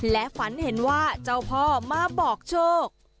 และฝันเห็นว่าเจ้าพ่อมาบอกโชค